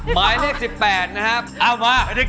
หมายเลข๑๘นะครับ